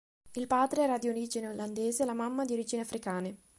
Il padre era di origine olandese e la mamma di origini africane.